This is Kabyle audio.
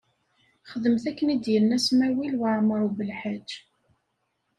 Xedmet akken i d-yenna Smawil Waɛmaṛ U Belḥaǧ.